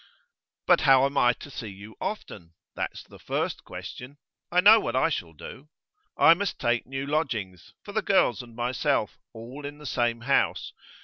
'But how am I to see you often? That's the first question. I know what I shall do. I must take new lodgings, for the girls and myself, all in the same house.